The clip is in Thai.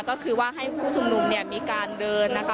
ก็คือว่าให้ผู้ชุมนุมเนี่ยมีการเดินนะคะ